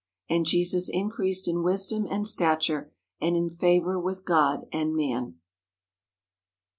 And Jesus increased in wisdom and stature and in favour with God and man.